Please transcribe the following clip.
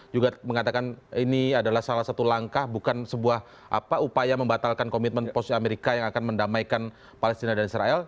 juga mengatakan ini adalah salah satu langkah bukan sebuah upaya membatalkan komitmen posisi amerika yang akan mendamaikan palestina dan israel